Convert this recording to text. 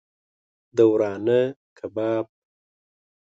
د ورانه کباب